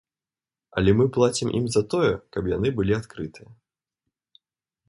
Але мы плацім ім за тое, каб яны былі адкрытыя.